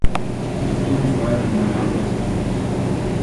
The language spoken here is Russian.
Никто не вправе навязывать им мир.